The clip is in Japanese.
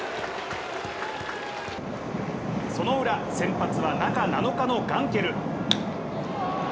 そのウラ、先発は中７日のガンケル。